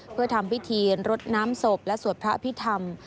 เพื่อทำพิธีรดน้ำศพและสวดพระอภิษฐรรม